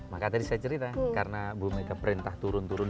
maka tadi saya cerita karena ibu mega perintah turun turun